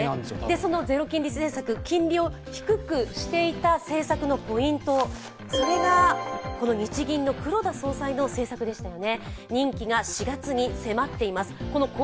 そのゼロ金利政策、金利を低くしていた政策のポイント、それが、この日銀の黒田総裁の政策でしたよね。